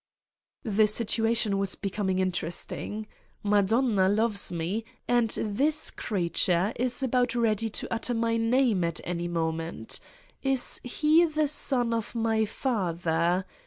The situation waa becoming interesting. Madomia loves Me and this creature is about ready to utter my Name at any moment! Is he the son of my Father?